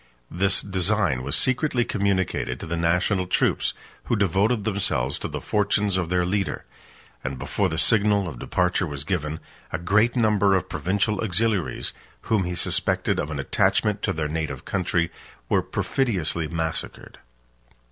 This design was secretly communicated to the national troops, who devoted themselves to the fortunes of their leader; and before the signal of departure was given, a great number of provincial auxiliaries, whom he suspected of an attachment to their native country, were perfidiously massacred.